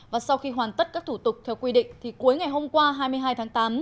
và sau khi hoàn tất các thủ tục theo quy định thì cuối ngày hôm qua hai mươi hai tháng tám